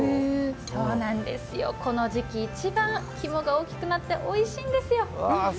そうなんですよ、この時期、一番、肝が大きくなっておいしいんですよ。